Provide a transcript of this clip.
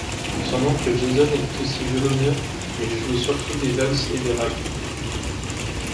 Son oncle Jason était aussi violoneux mais jouait surtout des valses et des rags.